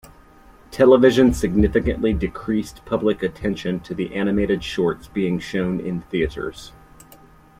Television significantly decreased public attention to the animated shorts being shown in theaters.